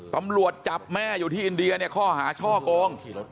ตำรวจจับแม่อยู่ที่อินเดียเนี่ยข้อหาช่อโกง